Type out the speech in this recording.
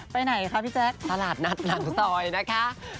ไปไหนคะพี่แจ๊คตลาดนัดหลังซอยนะคะ